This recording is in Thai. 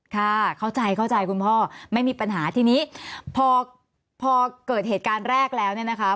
ค่ะเข้าใจเข้าใจคุณพ่อไม่มีปัญหาทีนี้พอพอเกิดเหตุการณ์แรกแล้วเนี่ยนะคะ